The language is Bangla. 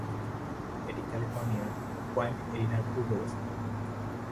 এটি ক্যালিফোর্নিয়ার পয়েন্ট এরিনার পূর্বে অবস্থিত।